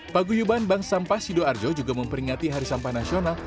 paguyuban bank sampah sidoarjo juga memperingati hari sampah nasional